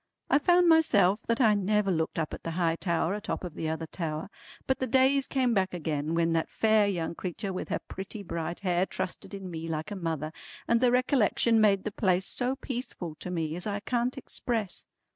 I found myself that I never looked up at the high tower atop of the other tower, but the days came back again when that fair young creetur with her pretty bright hair trusted in me like a mother, and the recollection made the place so peaceful to me as I can't express.